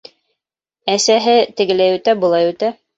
Әсәһе тегеләй үтә, былай үтә.